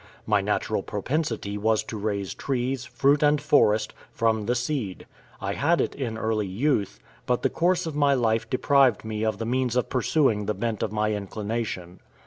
My natural propensity was to raise trees, fruit and forest, from the seed. I had it in early youth, but the course of my life deprived me of the means of pursuing the bent of my inclination.